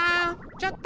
ちょっと！